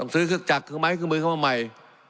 ต้องซื้อเครื่องจักรเครื่องไม้เครื่องมือเครื่องมันใหม่